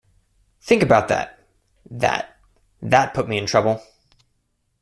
Thing about that... that - that put me in trouble.